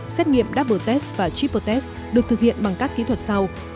xét nghiệm double test và triple test được thực hiện bằng các kỹ thuật sau